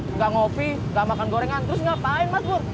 enggak ngopi enggak makan gorengan terus ngapain mas pur